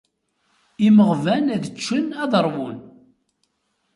Imeɣban ad ččen, ad ṛwun.